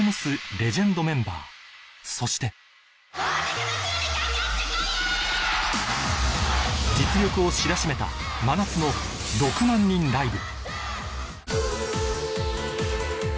レジェンドメンバーそして実力を知らしめた真夏の６万人ライブ